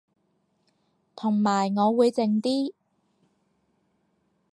同埋我會靜啲